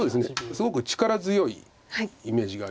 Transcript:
すごく力強いイメージがありまして。